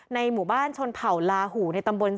หมู่บ้านชนเผ่าลาหูในตำบล